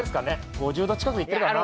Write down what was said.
５０度近くいってるかな。